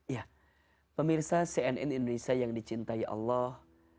ya pemirsa cnn indonesia yang dicintai allah